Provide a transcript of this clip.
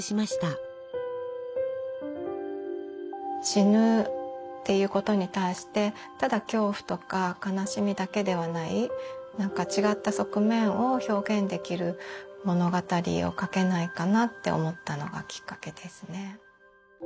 死ぬっていうことに対してただ恐怖とか悲しみだけではない違った側面を表現できる物語を書けないかなって思ったのがきっかけですね。